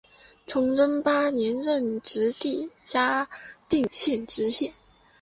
崇祯八年任直隶嘉定县知县。